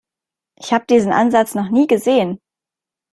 Ich habe diesen Ansatz noch nie gesehen.